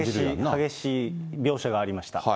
激しい描写がありました。